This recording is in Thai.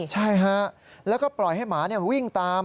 ใช่ฮะแล้วก็ปล่อยให้หมาวิ่งตาม